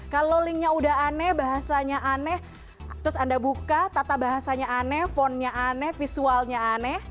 kalau linknya udah aneh bahasanya aneh terus anda buka tata bahasanya aneh fontnya aneh visualnya aneh